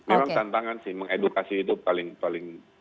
memang tantangan sih mengedukasi itu paling paling